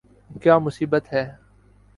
!کیا مصیبت ہے